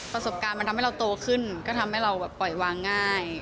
ประสบการณ์มันทำให้เราโตขึ้นก็ทำให้เราแบบปล่อยวางง่าย